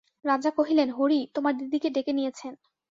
রাজা কহিলেন, হরি তোমার দিদিকে ডেকে নিয়েছেন।